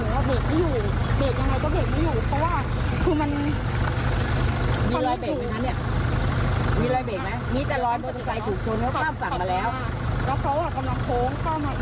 แล้วหนัวเบรกกระเย็บข้างหนูก็เลยโพ้ง